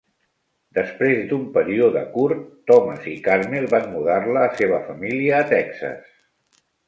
Després d'un període curt, Thomas i Carmel van mudar la seva família a Texas.